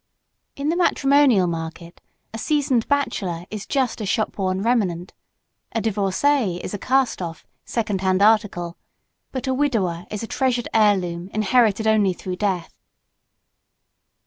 In the matrimonial market a seasoned bachelor is just a shop worn remnant; a divorcé is a cast off, second hand article; but a widower is a treasured heirloom inherited only through death.